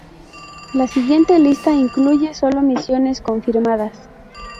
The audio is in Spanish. La siguiente lista incluye sólo misiones confirmadas.